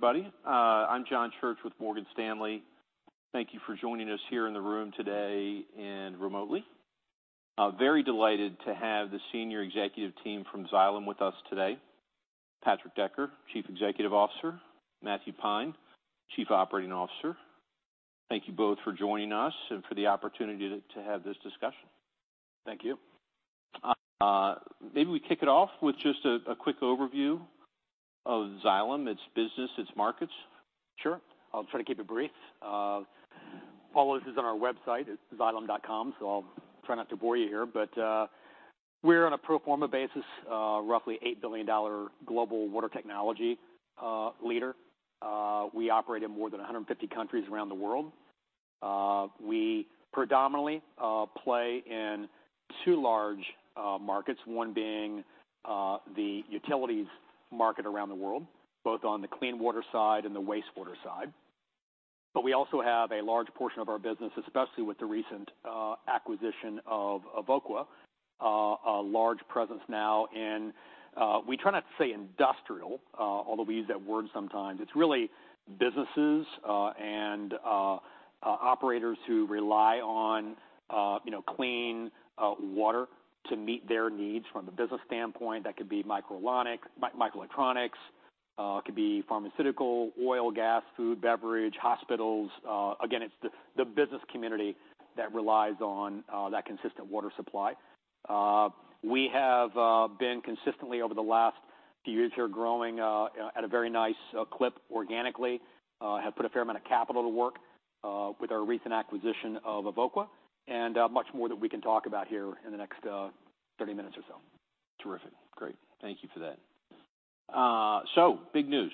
Hello, everybody. I'm John Church with Morgan Stanley. Thank you for joining us here in the room today and remotely. Very delighted to have the senior executive team from Xylem with us today. Patrick Decker, Chief Executive Officer, Matthew Pine, Chief Operating Officer. Thank you both for joining us and for the opportunity to have this discussion. Thank you. Maybe we kick it off with just a quick overview of Xylem, its business, its markets. Sure. I'll try to keep it brief. All of this is on our website, it's Xylem.com, so I'll try not to bore you here. But we're on a pro forma basis, roughly $8 billion global water technology leader. We operate in more than 150 countries around the world. We predominantly play in two large markets, one being the utilities market around the world, both on the clean water side and the wastewater side. But we also have a large portion of our business, especially with the recent acquisition of Evoqua, a large presence now in... We try not to say industrial, although we use that word sometimes. It's really businesses and operators who rely on you know clean water to meet their needs from a business standpoint. That could be microelectronics, it could be pharmaceutical, oil, gas, food, beverage, hospitals. Again, it's the business community that relies on that consistent water supply. We have been consistently over the last few years here, growing at a very nice clip organically, have put a fair amount of capital to work with our recent acquisition of Evoqua, and much more that we can talk about here in the next 30 minutes or so. Terrific. Great. Thank you for that. So, big news.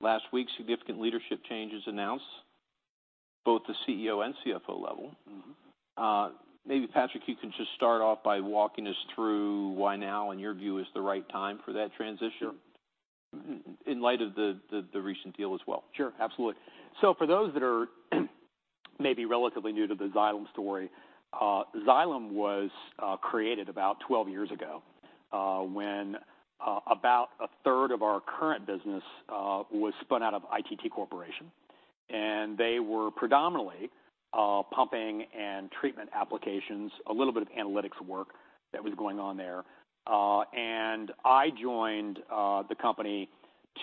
Last week, significant leadership changes announced, both the CEO and CFO level. Mm-hmm. Maybe, Patrick, you can just start off by walking us through why now, in your view, is the right time for that transition? Sure. in light of the recent deal as well. Sure, absolutely. So for those that are, maybe relatively new to the Xylem story, Xylem was created about 12 years ago, when about a third of our current business was spun out of ITT Corporation, and they were predominantly pumping and treatment applications, a little bit of analytics work that was going on there. And I joined the company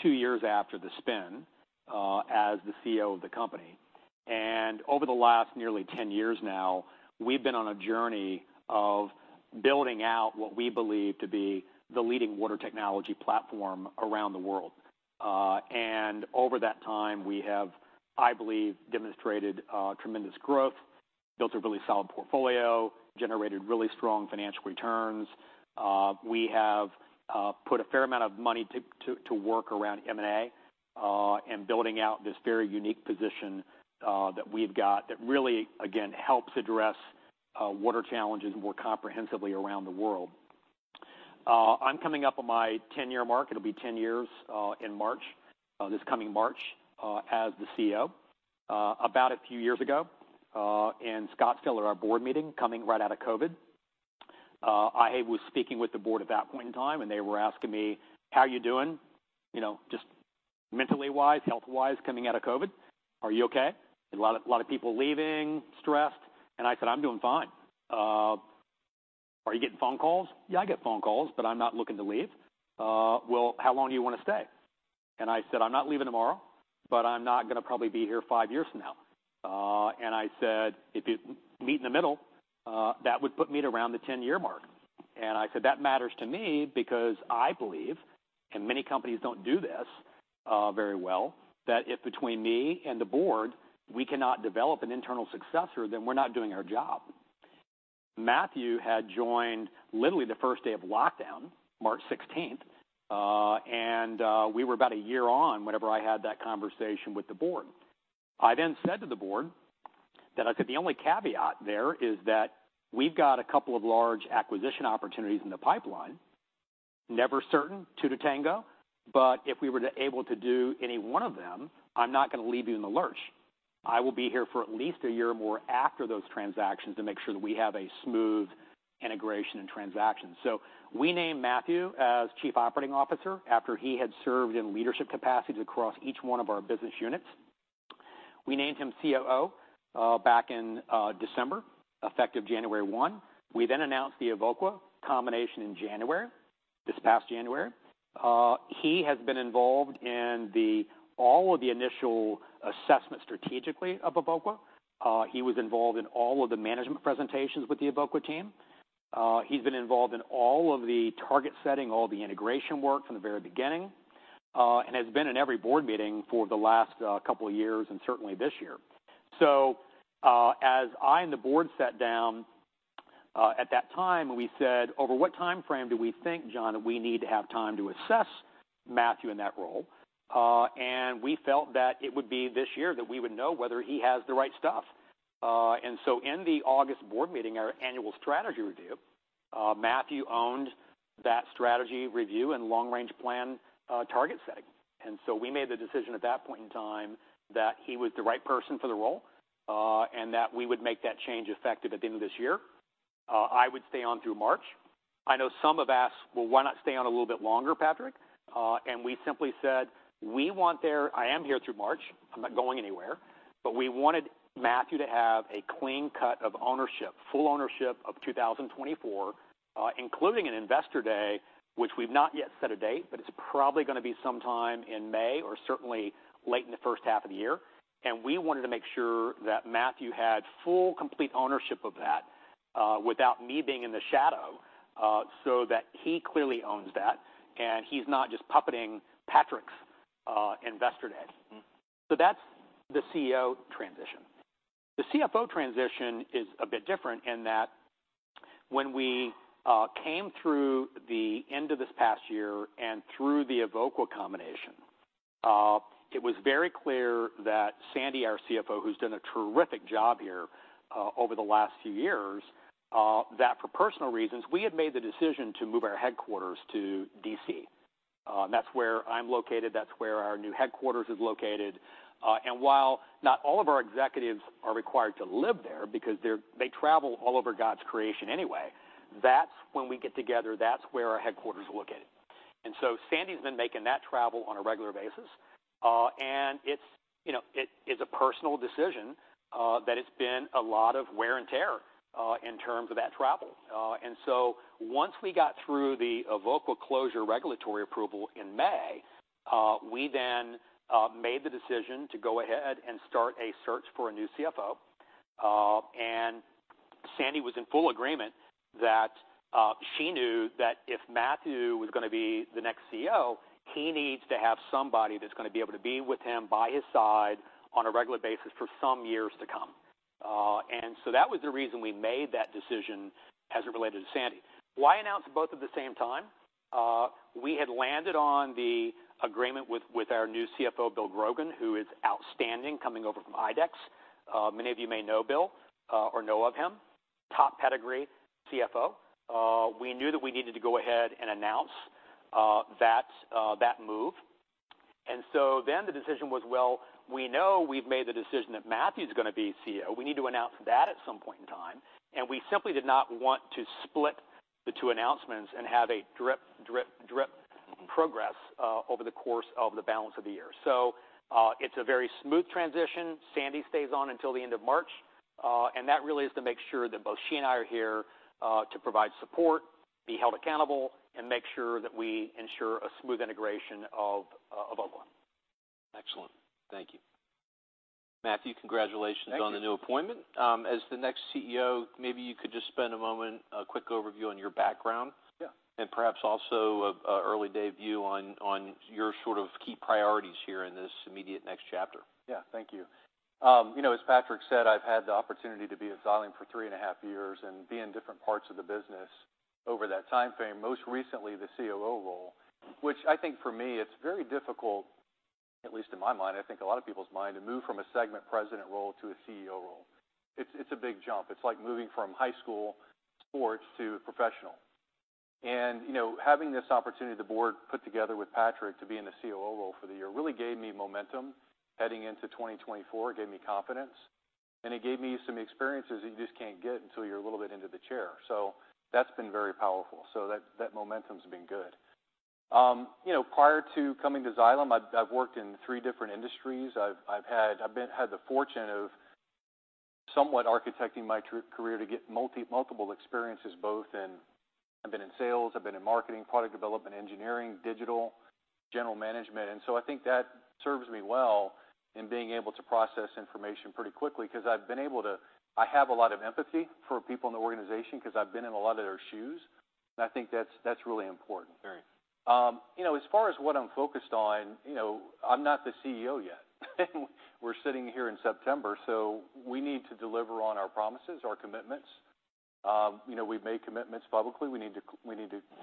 2 years after the spin, as the CEO of the company. And over the last nearly 10 years now, we've been on a journey of building out what we believe to be the leading water technology platform around the world. And over that time, we have, I believe, demonstrated tremendous growth, built a really solid portfolio, generated really strong financial returns. We have put a fair amount of money to work around M&A in building out this very unique position that we've got that really, again, helps address water challenges more comprehensively around the world. I'm coming up on my 10-year mark. It'll be 10 years in March, this coming March, as the CEO. About a few years ago in Scottsdale, at our board meeting, coming right out of COVID, I was speaking with the board at that point in time, and they were asking me: How are you doing? You know, just mentally wise, health wise, coming out of COVID. Are you okay? A lot of, a lot of people leaving, stressed. I said, "I'm doing fine." "Are you getting phone calls?" "Yeah, I get phone calls, but I'm not looking to leave." "Well, how long do you want to stay?" And I said, "I'm not leaving tomorrow, but I'm not gonna probably be here five years from now." And I said, "If you meet in the middle, that would put me at around the 10-year mark." And I said, "That matters to me because I believe, and many companies don't do this very well, that if between me and the board, we cannot develop an internal successor, then we're not doing our job." Matthew had joined literally the first day of lockdown, March sixteenth, and we were about a year on whenever I had that conversation with the board. I then said to the board that I said, "The only caveat there is that we've got a couple of large acquisition opportunities in the pipeline. Never certain, two to tango, but if we were to be able to do any one of them, I'm not going to leave you in the lurch. I will be here for at least a year or more after those transactions to make sure that we have a smooth integration and transaction." So we named Matthew as Chief Operating Officer after he had served in leadership capacities across each one of our business units. We named him COO back in December, effective January 1. We then announced the Evoqua combination in January, this past January. He has been involved in all of the initial assessment strategically of Evoqua. He was involved in all of the management presentations with the Evoqua team. He's been involved in all of the target setting, all the integration work from the very beginning, and has been in every board meeting for the last couple of years, and certainly this year. As I and the board sat down, at that time, we said, "Over what timeframe do we think, John, that we need to have time to assess Matthew in that role?" We felt that it would be this year that we would know whether he has the right stuff. In the August board meeting, our annual strategy review, Matthew owned that strategy review and long-range plan, target setting. And so we made the decision at that point in time that he was the right person for the role, and that we would make that change effective at the end of this year. I would stay on through March. I know some have asked: "Well, why not stay on a little bit longer, Patrick?" and we simply said, We want there-- I am here through March. I'm not going anywhere. But we wanted Matthew to have a clean cut of ownership, full ownership of 2024, including an Investor Day, which we've not yet set a date, but it's probably gonna be sometime in May or certainly late in the first half of the year. We wanted to make sure that Matthew had full, complete ownership of that, without me being in the shadow, so that he clearly owns that, and he's not just puppeting Patrick's Investor Day. Mm-hmm. So that's the CEO transition. The CFO transition is a bit different in that when we came through the end of this past year and through the Evoqua combination, it was very clear that Sandy, our CFO, who's done a terrific job here, over the last few years, that for personal reasons, we had made the decision to move our headquarters to D.C. That's where I'm located, that's where our new headquarters is located. And while not all of our executives are required to live there because they travel all over God's creation anyway, that's when we get together, that's where our headquarters are located. And so Sandy's been making that travel on a regular basis, and it's, you know, it is a personal decision, that it's been a lot of wear and tear, in terms of that travel. And so once we got through the Evoqua closure regulatory approval in May, we then made the decision to go ahead and start a search for a new CFO. And Sandy was in full agreement that she knew that if Matthew was gonna be the next CEO, he needs to have somebody that's gonna be able to be with him by his side on a regular basis for some years to come. And so that was the reason we made that decision as it related to Sandy. Why announce both at the same time? We had landed on the agreement with our new CFO, Bill Grogan, who is outstanding, coming over from IDEX. Many of you may know Bill or know of him. Top pedigree CFO. We knew that we needed to go ahead and announce that move. And so then the decision was, well, we know we've made the decision that Matthew's gonna be CEO. We need to announce that at some point in time, and we simply did not want to split the two announcements and have a drip, drip, drip progress over the course of the balance of the year. So it's a very smooth transition. Sandy stays on until the end of March, and that really is to make sure that both she and I are here to provide support, be held accountable, and make sure that we ensure a smooth integration of everyone. Excellent. Thank you. Matthew, congratulations- Thank you. on the new appointment. As the next CEO, maybe you could just spend a moment, a quick overview on your background. Yeah. And perhaps also a early-day view on your sort of key priorities here in this immediate next chapter. Yeah, thank you. You know, as Patrick said, I've had the opportunity to be at Xylem for three and a half years and be in different parts of the business over that time frame, most recently, the COO role, which I think for me, it's very difficult, at least in my mind, I think a lot of people's mind, to move from a segment president role to a CEO role. It's, it's a big jump. It's like moving from high school sports to professional. And, you know, having this opportunity, the board put together with Patrick to be in the COO role for the year, really gave me momentum heading into 2024. It gave me confidence, and it gave me some experiences that you just can't get until you're a little bit into the chair. So that's been very powerful. So that, that momentum's been good. You know, prior to coming to Xylem, I've worked in three different industries. I've had the fortune of somewhat architecting my career to get multiple experiences, both in, I've been in sales, I've been in marketing, product development, engineering, digital, general management, and so I think that serves me well in being able to process information pretty quickly, 'cause I've been able to—I have a lot of empathy for people in the organization 'cause I've been in a lot of their shoes, and I think that's really important. Very. You know, as far as what I'm focused on, you know, I'm not the CEO yet. We're sitting here in September, so we need to deliver on our promises, our commitments. You know, we've made commitments publicly, we need to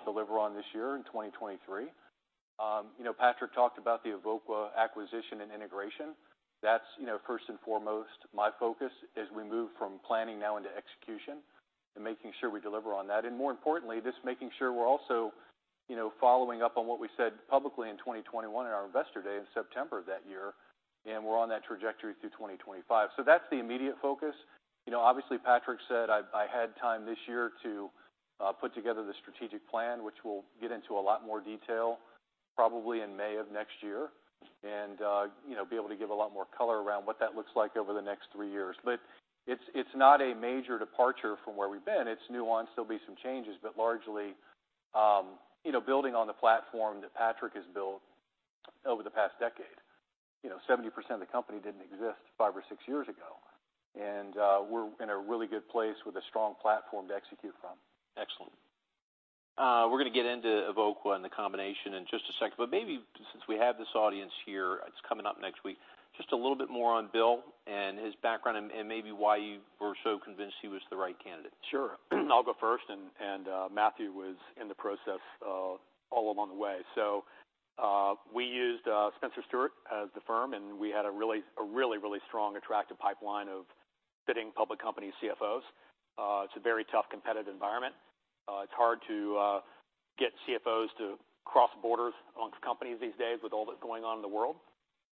deliver on this year in 2023. You know, Patrick talked about the Evoqua acquisition and integration. That's, you know, first and foremost, my focus as we move from planning now into execution and making sure we deliver on that, and more importantly, just making sure we're also, you know, following up on what we said publicly in 2021 at our Investor Day in September of that year, and we're on that trajectory through 2025. That's the immediate focus. You know, obviously, Patrick said I had time this year to put together the strategic plan, which we'll get into a lot more detail, probably in May of next year, and, you know, be able to give a lot more color around what that looks like over the next three years. But it's not a major departure from where we've been. It's nuanced. There'll be some changes, but largely, you know, building on the platform that Patrick has built over the past decade. You know, 70% of the company didn't exist five or six years ago, and we're in a really good place with a strong platform to execute from. Excellent. We're gonna get into Evoqua and the combination in just a second, but maybe since we have this audience here, it's coming up next week, just a little bit more on Bill and his background and, and maybe why you were so convinced he was the right candidate. Sure. I'll go first, and Matthew was in the process all along the way. So, we used Spencer Stuart as the firm, and we had a really, a really, really strong, attractive pipeline of fitting public company CFOs. It's a very tough, competitive environment. It's hard to get CFOs to cross borders amongst companies these days with all that's going on in the world...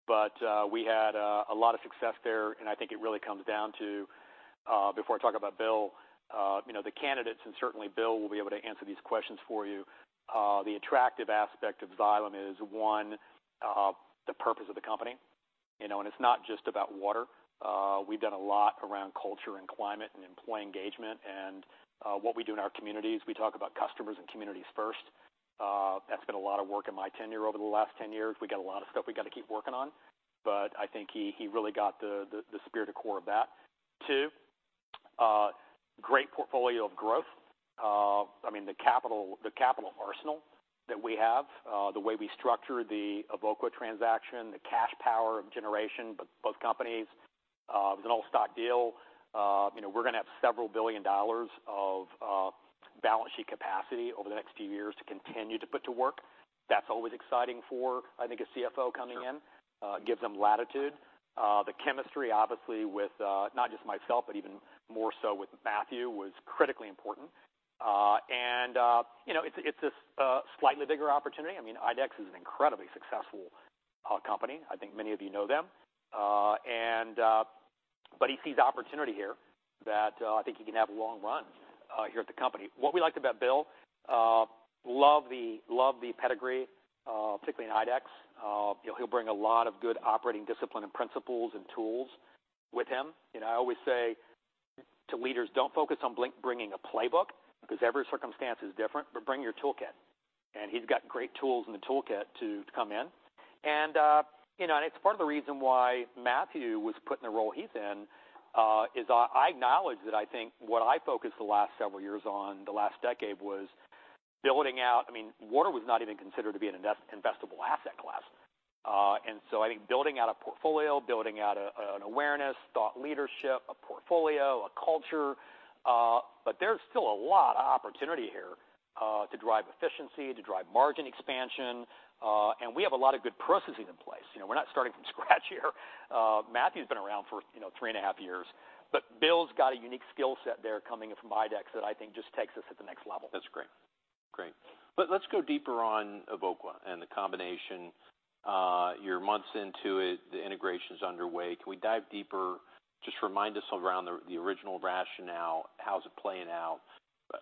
but, we had a lot of success there, and I think it really comes down to, before I talk about Bill, you know, the candidates, and certainly Bill will be able to answer these questions for you. The attractive aspect of Xylem is, one, the purpose of the company. You know, and it's not just about water. We've done a lot around culture and climate and employee engagement and what we do in our communities. We talk about customers and communities first. That's been a lot of work in my tenure over the last 10 years. We got a lot of stuff we got to keep working on, but I think he really got the spirit, the core of that. Too great portfolio of growth. I mean, the capital, the capital arsenal that we have, the way we structured the Evoqua transaction, the cash generative power of both companies, it was an all-stock deal. You know, we're gonna have $several billion of balance sheet capacity over the next few years to continue to put to work. That's always exciting for, I think, a CFO coming in. Sure. Gives them latitude. The chemistry, obviously, with not just myself, but even more so with Matthew, was critically important. And, you know, it's a slightly bigger opportunity. I mean, IDEX is an incredibly successful company. I think many of you know them. And but he sees opportunity here that I think he can have a long run here at the company. What we liked about Bill, love the pedigree, particularly in IDEX. You know, he'll bring a lot of good operating discipline and principles and tools with him. You know, I always say to leaders: "Don't focus on bringing a playbook, because every circumstance is different, but bring your toolkit." And he's got great tools in the toolkit to come in. You know, it's part of the reason why Matthew was put in the role he's in. I acknowledge that I think what I focused the last several years on, the last decade, was building out. I mean, water was not even considered to be an investable asset class. And so I think building out a portfolio, building out an awareness, thought leadership, a portfolio, a culture, but there's still a lot of opportunity here to drive efficiency, to drive margin expansion, and we have a lot of good processes in place. You know, we're not starting from scratch here. Matthew's been around for, you know, 3.5 years, but Bill's got a unique skill set there coming in from IDEX that I think just takes us to the next level. That's great. Great. But let's go deeper on Evoqua and the combination. You're months into it, the integration's underway. Can we dive deeper? Just remind us around the original rationale. How's it playing out?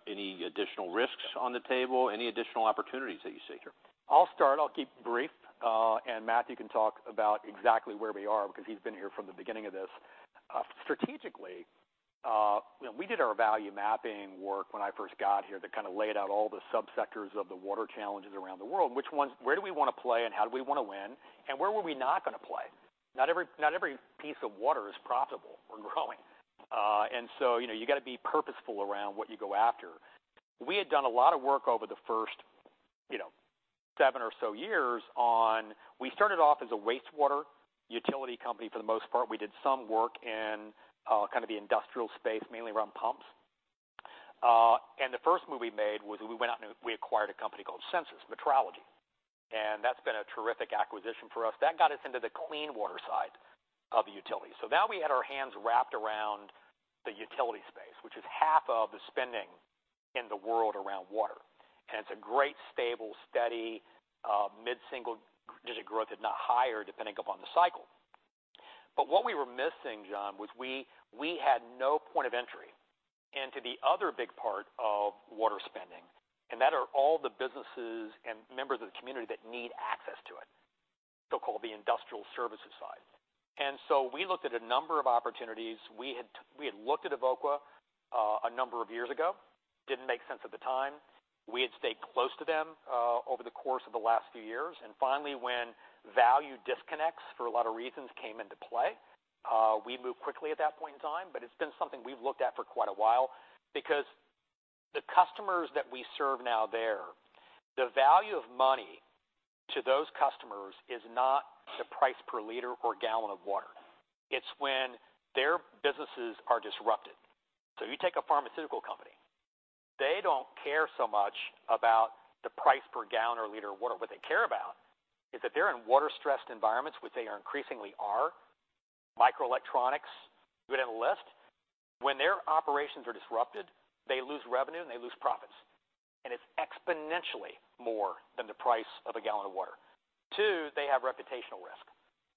Any additional risks on the table? Any additional opportunities that you see? Sure. I'll start. I'll keep it brief, and Matthew can talk about exactly where we are, because he's been here from the beginning of this. Strategically, you know, we did our value mapping work when I first got here. That kind of laid out all the subsectors of the water challenges around the world. Which ones, where do we want to play, and how do we want to win, and where were we not gonna play? Not every, not every piece of water is profitable or growing. And so, you know, you got to be purposeful around what you go after. We had done a lot of work over the first, you know, seven or so years on... We started off as a wastewater utility company for the most part. We did some work in kind of the industrial space, mainly around pumps. And the first move we made was we went out, and we acquired a company called Sensus, metrology, and that's been a terrific acquisition for us. That got us into the clean water side of the utility. So now we had our hands wrapped around the utility space, which is half of the spending in the world around water, and it's a great, stable, steady, mid-single-digit growth, if not higher, depending upon the cycle. But what we were missing, John, was we had no point of entry into the other big part of water spending, and that are all the businesses and members of the community that need access to it, so-called the industrial services side. And so we looked at a number of opportunities. We had looked at Evoqua, a number of years ago. Didn't make sense at the time. We had stayed close to them, over the course of the last few years, and finally, when value disconnects for a lot of reasons came into play, we moved quickly at that point in time, but it's been something we've looked at for quite a while. Because the customers that we serve now there, the value of money to those customers is not the price per liter or gallon of water. It's when their businesses are disrupted. So you take a pharmaceutical company, they don't care so much about the price per gallon or liter of water. What they care about is that they're in water-stressed environments, which they are increasingly are. Microelectronics, you go down the list. When their operations are disrupted, they lose revenue, and they lose profits, and it's exponentially more than the price of a gallon of water. Two, they have reputational risk,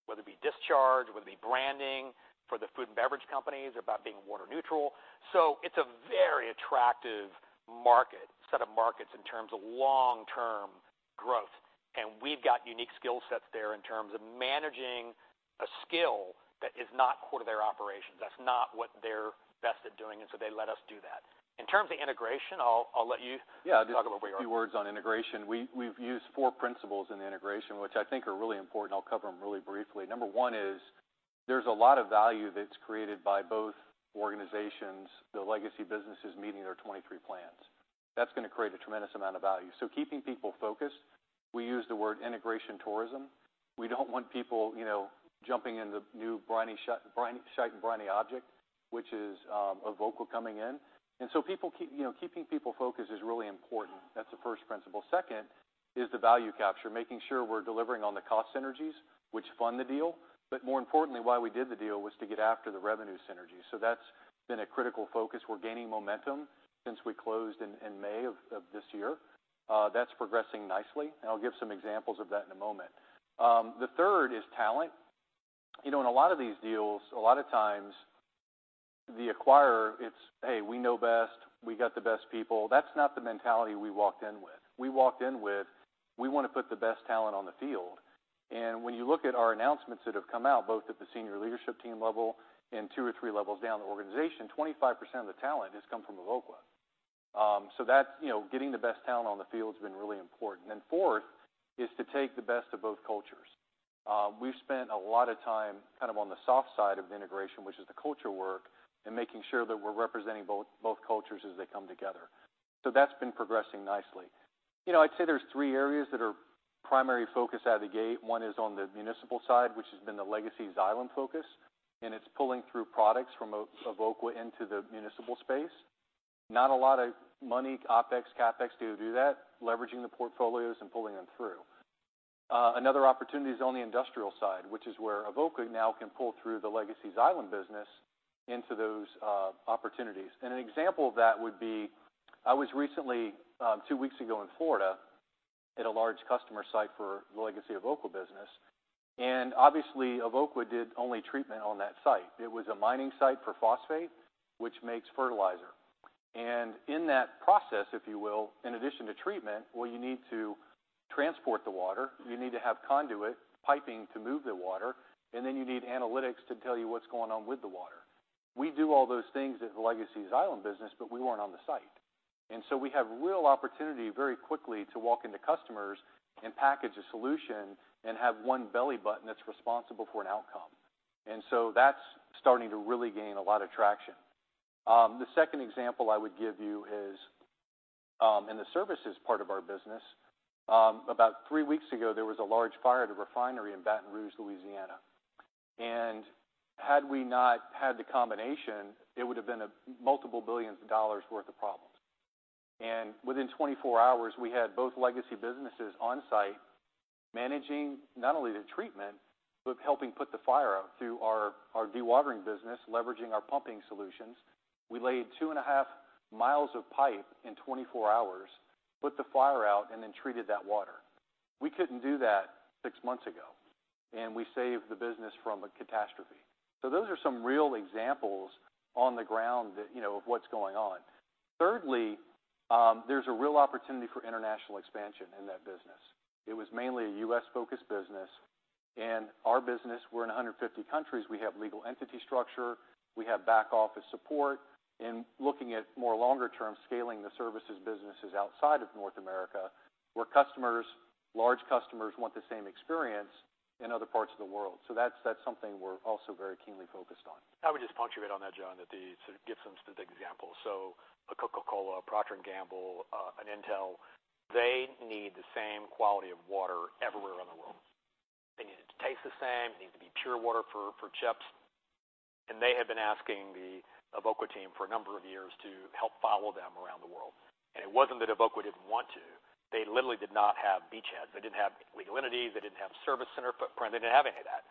whether it be discharge, whether it be branding for the food and beverage companies about being water neutral. So it's a very attractive market, set of markets in terms of long-term growth, and we've got unique skill sets there in terms of managing a skill that is not core to their operations. That's not what they're best at doing, and so they let us do that. In terms of integration, I'll let you- Yeah. - talk about where we are. A few words on integration. We've used 4 principles in the integration, which I think are really important. I'll cover them really briefly. Number 1 is there's a lot of value that's created by both organizations, the legacy businesses meeting their 2023 plans. That's gonna create a tremendous amount of value. So keeping people focused, we use the word integration tourism. We don't want people, you know, jumping in the new shiny object, which is Evoqua coming in. And so, you know, keeping people focused is really important. That's the first principle. Second is the value capture, making sure we're delivering on the cost synergies which fund the deal, but more importantly, why we did the deal was to get after the revenue synergy. So that's been a critical focus. We're gaining momentum since we closed in May of this year. That's progressing nicely, and I'll give some examples of that in a moment. The third is talent. You know, in a lot of these deals, a lot of times the acquirer, it's, "Hey, we know best. We got the best people." That's not the mentality we walked in with. We walked in with, we wanna put the best talent on the field, and when you look at our announcements that have come out, both at the senior leadership team level and two or three levels down the organization, 25% of the talent has come from Evoqua. So that's, you know, getting the best talent on the field has been really important. And fourth, is to take the best of both cultures. We've spent a lot of time kind of on the soft side of integration, which is the culture work, and making sure that we're representing both, both cultures as they come together. So that's been progressing nicely. You know, I'd say there's three areas that are primary focus out of the gate. One is on the municipal side, which has been the legacy Xylem focus, and it's pulling through products from Evoqua into the municipal space. Not a lot of money, OpEx, CapEx to do that, leveraging the portfolios and pulling them through. Another opportunity is on the industrial side, which is where Evoqua now can pull through the legacy Xylem business into those opportunities. An example of that would be, I was recently two weeks ago in Florida, at a large customer site for the legacy Evoqua business, and obviously, Evoqua did only treatment on that site. It was a mining site for phosphate, which makes fertilizer. In that process, if you will, in addition to treatment, well, you need to transport the water, you need to have conduit piping to move the water, and then you need analytics to tell you what's going on with the water. We do all those things at the legacy Xylem business, but we weren't on the site. So we have real opportunity very quickly to walk into customers and package a solution and have one belly button that's responsible for an outcome. That's starting to really gain a lot of traction. The second example I would give you is, in the services part of our business, about three weeks ago, there was a large fire at a refinery in Baton Rouge, Louisiana. And had we not had the combination, it would have been a multiple billions of dollars worth of problems. And within 24 hours, we had both legacy businesses on site, managing not only the treatment, but helping put the fire out through our dewatering business, leveraging our pumping solutions. We laid two and a half miles of pipe in 24 hours, put the fire out, and then treated that water. We couldn't do that six months ago, and we saved the business from a catastrophe. Those are some real examples on the ground that, you know, of what's going on. Thirdly, there's a real opportunity for international expansion in that business. It was mainly a U.S.-focused business, and our business, we're in 150 countries. We have legal entity structure, we have back-office support, and looking at more longer-term, scaling the services businesses outside of North America, where customers, large customers want the same experience in other parts of the world. So that's, that's something we're also very keenly focused on. I would just punctuate on that, John, that the, sort of give some specific examples. So a Coca-Cola, Procter & Gamble, an Intel, they need the same quality of water everywhere around the world. They need it to taste the same, they need to be pure water for, for chips. And they have been asking the Evoqua team for a number of years to help follow them around the world. And it wasn't that Evoqua didn't want to. They literally did not have beachheads. They didn't have legal entity, they didn't have service center footprint. They didn't have any of that.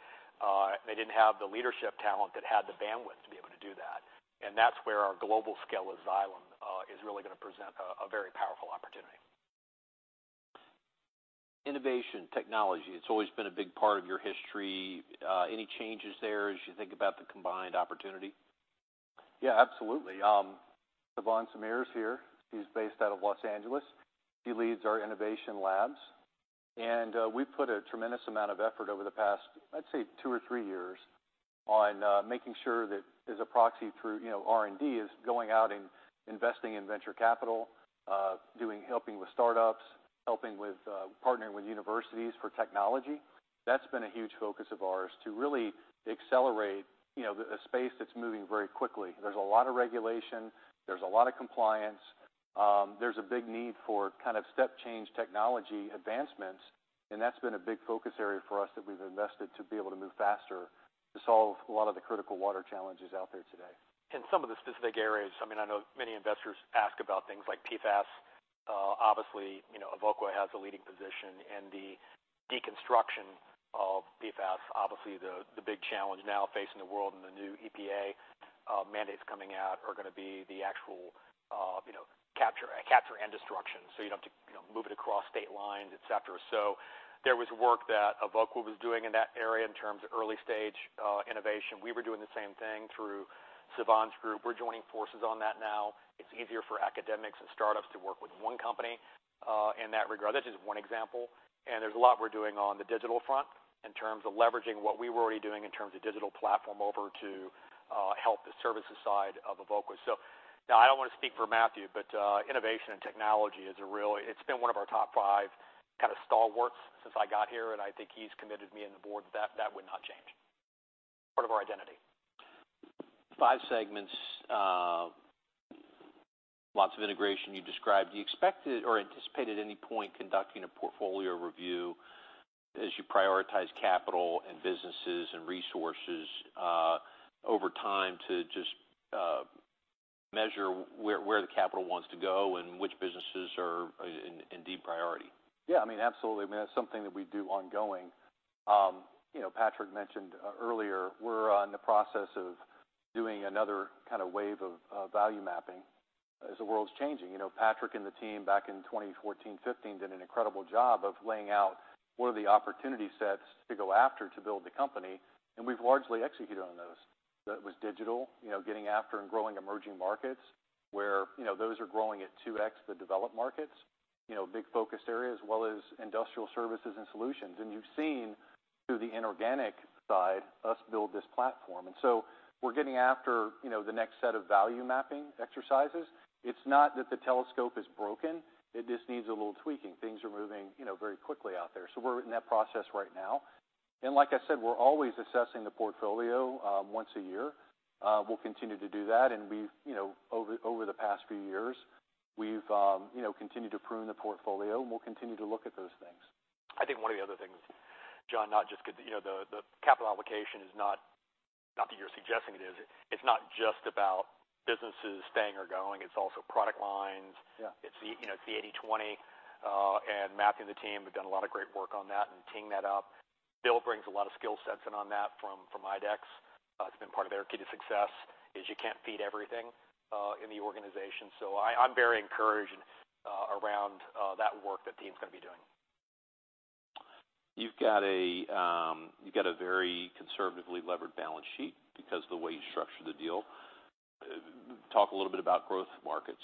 They didn't have the leadership talent that had the bandwidth to be able to do that. And that's where our global scale as Xylem is really gonna present a, a very powerful opportunity. Innovation, technology, it's always been a big part of your history. Any changes there as you think about the combined opportunity? Yeah, absolutely. Sivan Zamir is here. He's based out of Los Angeles. He leads our innovation labs, and we've put a tremendous amount of effort over the past, I'd say, two or three years, on making sure that as a proxy through, you know, R&D is going out and investing in venture capital, helping with startups, helping with partnering with universities for technology. That's been a huge focus of ours to really accelerate, you know, the space that's moving very quickly. There's a lot of regulation, there's a lot of compliance, there's a big need for kind of step change technology advancements, and that's been a big focus area for us that we've invested to be able to move faster to solve a lot of the critical water challenges out there today. In some of the specific areas, I mean, I know many investors ask about things like PFAS. Obviously, you know, Evoqua has a leading position in the deconstruction of PFAS. Obviously, the big challenge now facing the world and the new EPA mandates coming out are gonna be the actual, you know, capture and destruction. So you don't have to, you know, move it across state lines, et cetera. So there was work that Evoqua was doing in that area in terms of early-stage innovation. We were doing the same thing through Sivan's group. We're joining forces on that now. It's easier for academics and startups to work with one company in that regard. This is one example, and there's a lot we're doing on the digital front in terms of leveraging what we were already doing in terms of digital platform over to help the services side of Evoqua. So now, I don't want to speak for Matthew, but innovation and technology is a really... It's been one of our top five kind of stalwarts since I got here, and I think he's committed me and the board that that would not change. Part of our identity. Five segments, lots of integration you described. Do you expect or anticipate at any point conducting a portfolio review as you prioritize capital and businesses and resources, over time to just,... measure where the capital wants to go and which businesses are in deep priority? Yeah, I mean, absolutely. I mean, that's something that we do ongoing. You know, Patrick mentioned earlier, we're on the process of doing another kind of wave of value mapping as the world's changing. You know, Patrick and the team back in 2014, 2015, did an incredible job of laying out what are the opportunity sets to go after to build the company, and we've largely executed on those. That was digital, you know, getting after and growing emerging markets where, you know, those are growing at 2X the developed markets, you know, big focused areas as well as industrial services and solutions. And you've seen through the inorganic side, us build this platform. And so we're getting after, you know, the next set of value mapping exercises. It's not that the telescope is broken, it just needs a little tweaking. Things are moving, you know, very quickly out there. So we're in that process right now. And like I said, we're always assessing the portfolio once a year. We'll continue to do that, and we've, you know, over the past few years, we've you know, continued to prune the portfolio, and we'll continue to look at those things. I think one of the other things, John, not just because, you know, the capital allocation is not that you're suggesting it is. It's not just about businesses staying or going. It's also product lines. Yeah. It's the, you know, it's the 80/20, and Matthew and the team have done a lot of great work on that and teeing that up. Bill brings a lot of skill sets in on that from, from IDEX. It's been part of their key to success, is you can't beat everything in the organization. So I, I'm very encouraged around that work the team's gonna be doing. You've got a very conservatively levered balance sheet because the way you structured the deal. Talk a little bit about growth markets.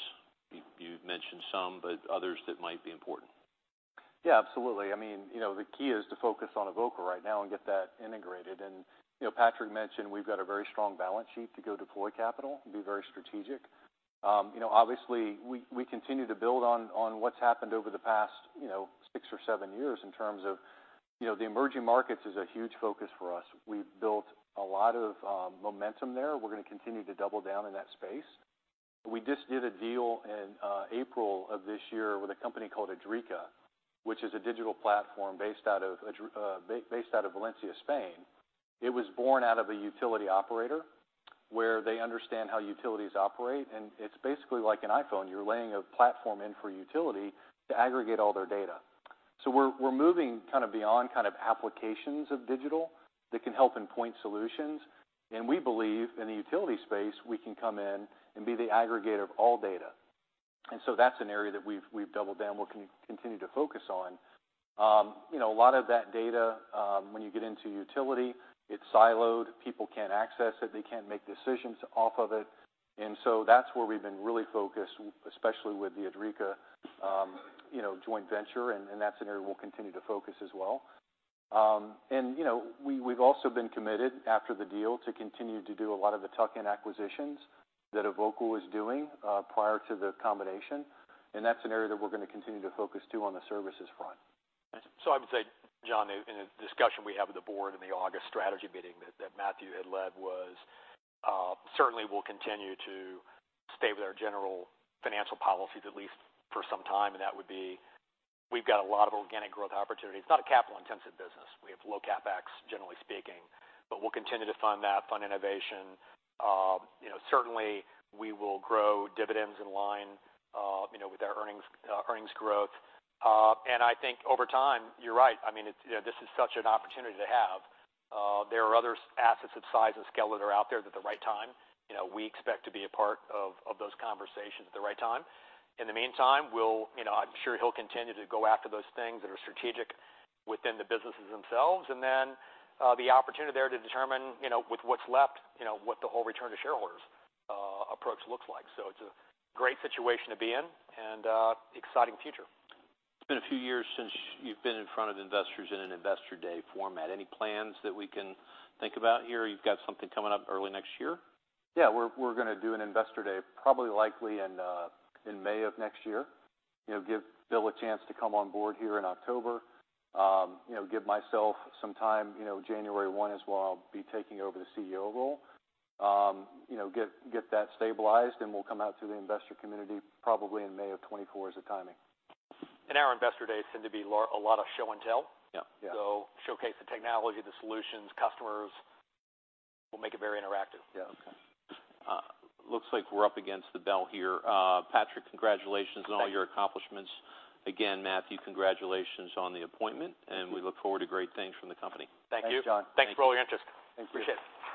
You've mentioned some, but others that might be important. Yeah, absolutely. I mean, you know, the key is to focus on Evoqua right now and get that integrated. And, you know, Patrick mentioned we've got a very strong balance sheet to go deploy capital and be very strategic. You know, obviously, we continue to build on what's happened over the past, you know, six or seven years in terms of... You know, the emerging markets is a huge focus for us. We've built a lot of momentum there. We're gonna continue to double down in that space. We just did a deal in April of this year with a company called Idrica, which is a digital platform based out of Valencia, Spain. It was born out of a utility operator, where they understand how utilities operate, and it's basically like an iPhone. You're laying a platform in for a utility to aggregate all their data. So we're, we're moving kind of beyond kind of applications of digital that can help in point solutions, and we believe in the utility space, we can come in and be the aggregator of all data. And so that's an area that we've, we've doubled down, we're continue to focus on. You know, a lot of that data, when you get into utility, it's siloed. People can't access it, they can't make decisions off of it. And so that's where we've been really focused, especially with the Idrica, you know, joint venture, and, and that's an area we'll continue to focus as well. You know, we've also been committed after the deal to continue to do a lot of the tuck-in acquisitions that Evoqua was doing, prior to the combination, and that's an area that we're gonna continue to focus, too, on the services front. So I would say, John, in a discussion we had with the board in the August strategy meeting that Matthew had led was certainly we'll continue to stay with our general financial policies, at least for some time, and that would be, we've got a lot of organic growth opportunities. It's not a capital-intensive business. We have low CapEx, generally speaking, but we'll continue to fund that, fund innovation. You know, certainly, we will grow dividends in line, you know, with our earnings, earnings growth. And I think over time, you're right. I mean, it's, you know, this is such an opportunity to have. There are other assets of size and scale that are out there at the right time. You know, we expect to be a part of those conversations at the right time. In the meantime, we'll, you know, I'm sure he'll continue to go after those things that are strategic within the businesses themselves, and then the opportunity there to determine, you know, with what's left, you know, what the whole return to shareholders approach looks like. So it's a great situation to be in and exciting future. It's been a few years since you've been in front of investors in an Investor Day format. Any plans that we can think about here? You've got something coming up early next year? Yeah, we're gonna do an Investor Day, probably likely in May of next year. You know, give Bill a chance to come on board here in October. You know, give myself some time, you know, January 1 as well, I'll be taking over the CEO role. You know, get that stabilized, and we'll come out to the investor community, probably in May of 2024 as a timing. Our Investor Days tend to be a lot of show and tell. Yeah. Yeah. Showcase the technology, the solutions, customers. We'll make it very interactive. Yeah. Okay. Looks like we're up against the bell here. Patrick, congratulations- Thank you. On all your accomplishments. Again, Matthew, congratulations on the appointment, and we look forward to great things from the company. Thank you. Thanks, John. Thanks for all your interest. Thank you. Appreciate it.